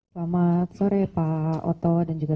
selamat sore pak oto dan juga